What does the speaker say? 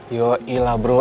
yoi lah bro